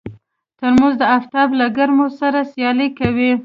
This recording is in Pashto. ترموز د افتاب له ګرمو سره سیالي کوي.